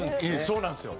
そうなんですよ。